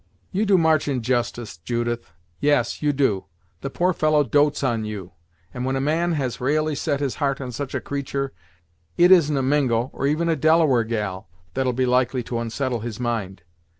"You do March injustice, Judith; yes, you do. The poor fellow dotes on you, and when a man has ra'ally set his heart on such a creatur' it isn't a Mingo, or even a Delaware gal, that'll be likely to unsettle his mind.